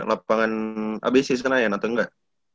lapangan abc senayan atau enggak